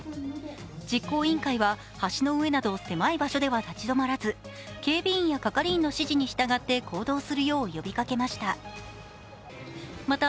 実行委員会は橋の上など狭い場所では立ち止まらず警備員や係員の指示に従って行動するよう呼びかけました。